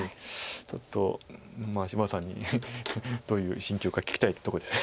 ちょっと芝野さんにどういう心境か聞きたいとこです。